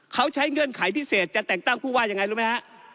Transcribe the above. เขาใช้เงื่อนไขพิเศษจะแต่งตั้งผู้ว่ายังไงรู้ไหมฮะ